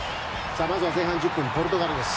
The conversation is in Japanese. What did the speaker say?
まずは前半１０分ポルトガルです。